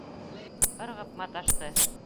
Ырғып маташты.